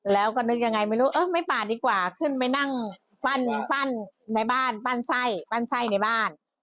แล้วก็นึกยังไงไม่รู้เออไม่ปาดดีกว่าขึ้นไปนั่งปั้นในบ้านปั้นไส้ปั้นไส้ในบ้าน